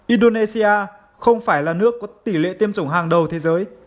indonesia không phải là nước có tỷ lệ tiêm chủng hàng đầu thế giới